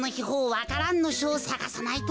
「わか蘭のしょ」をさがさないと。